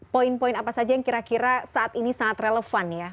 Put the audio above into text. poin poin apa saja yang kira kira saat ini sangat relevan ya